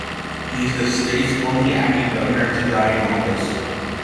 He is the state's only acting governor to die in office.